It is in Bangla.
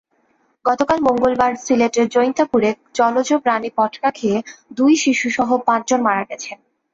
গতকাল মঙ্গলবার সিলেটের জৈন্তাপুরে জলজ প্রাণী পটকা খেয়ে দুই শিশুসহ পাঁচজন মারা গেছেন।